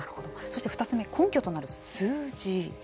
そして２つ目根拠となる数字。